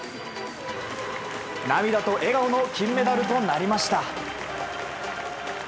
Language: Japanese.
涙と笑顔の金メダルとなりました。